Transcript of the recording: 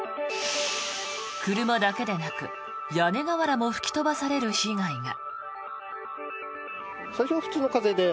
車だけでなく屋根瓦も吹き飛ばされる被害が。